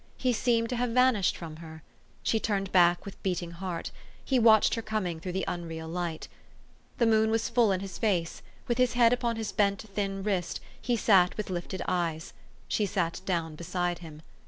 He seemed to have vanished from her. She turned back with beating heart. He watched her coming through the unreal light. The moon was full in his face ; with his head upon his bent, thin wrist, he sat with lifted eyes. She sat down beside him.